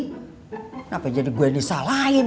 kenapa jadi gue disalahin